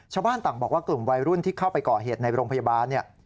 ชาวบ้านต่างบอกว่ากลุ่มวัยรุ่นที่เข้าไปก่อเหตุในโรงพยาบาลเนี่ย